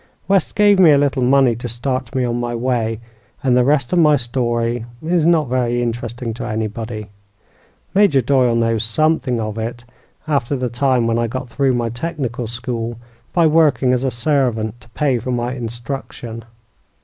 West gave me a little money to start me on my way, and the rest of my story is not very interesting to anybody. Major Doyle knows something of it, after the time when I got through my technical school by working as a servant to pay for my instruction.